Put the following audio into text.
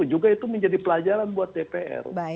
juga itu menjadi pelajaran buat dpr